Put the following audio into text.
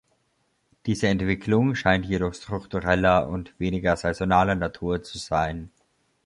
Diese Entwicklung scheint jedoch struktureller und weniger saisonaler Natur zu sein.